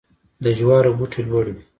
د جوارو بوټی لوړ وي.